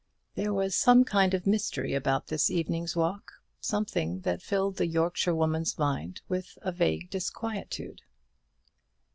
There was some kind of mystery about this evening's walk: something that filled the Yorkshirewoman's mind with vague disquietude.